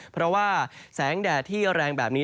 เพราะว่าแสงแดดที่แรงแบบนี้